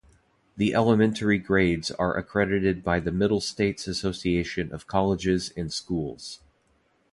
The elementary grades are accredited by the Middle States Association of Colleges and Schools.